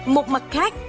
một mặt khác